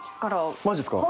マジっすか？